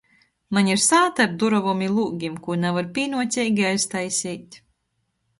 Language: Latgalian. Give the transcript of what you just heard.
Maņ ir sāta ar durovom i lūgim, kū navar pīnuoceigi aiztaiseit.